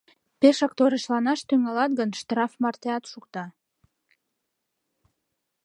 Пешак торешланаш тӱҥалат гын, штраф мартеат шукта.